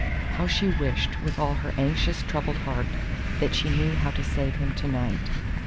How she wished with all her anxious, troubled heart that she knew how to save him to night!